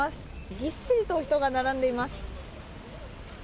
ぎっしりと人が並んでいます。